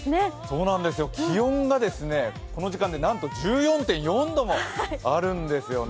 そうなんですよ、気温がこの時間でなんと１４．４度もあるんですね。